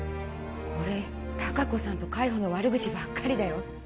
これ隆子さんと海保の悪口ばっかりだよ